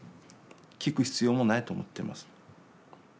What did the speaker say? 聞く必要もないと思ってます。